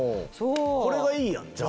これがいいやんじゃあ。